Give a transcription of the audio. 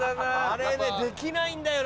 あれねできないんだよ